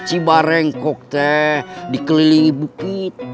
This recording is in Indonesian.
cibareng kok teh dikelilingi bukit besok